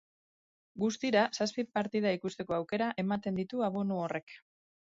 Guztira zazpi partida ikusteko aukera ematen ditu abonu horrek.